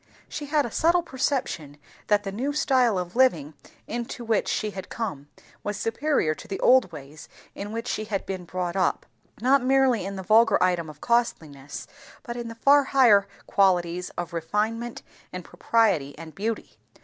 She had a subtle perception that the new style of living into which she had come was superior to the old ways in which she had been brought up; not merely in the vulgar item of costliness, but in the far higher qualities of refinement and propriety and beauty.